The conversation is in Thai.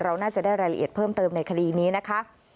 เราน่าจะได้รายละเอียดเพิ่มเติมในคดีนี้นะคะ